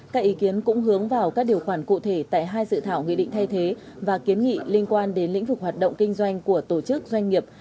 các ý kiến cũng hướng vào các điều khoản cụ thể tại hai dự thảo nghị định thay thế và kiến nghị liên quan đến lĩnh vực hoạt động kinh doanh của tổ chức doanh nghiệp